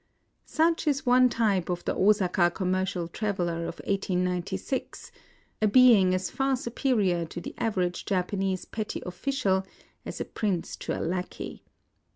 Such is one type of the Osaka commercial traveler of 1896, — a being as far superior to the average Japanese petty of&cial as a prince to a lackey.